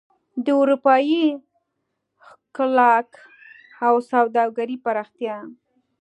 د اروپايي ښکېلاک او سوداګرۍ پراختیا.